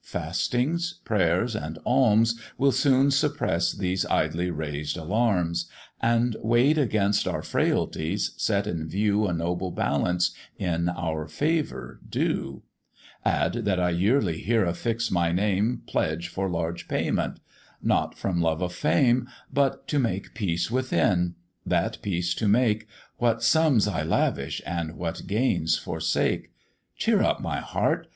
fastings, prayers, and alms, Will soon suppress these idly raised alarms, And weigh'd against our frailties, set in view A noble balance in our favour due: Add that I yearly here affix my name, Pledge for large payment not from love of fame, But to make peace within; that peace to make, "What sums I lavish! and what gains forsake! Cheer up, my heart!